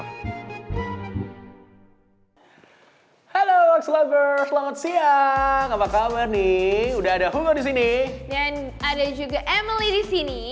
halo selamat siang apa kabar nih udah ada hugo disini dan ada juga emily di sini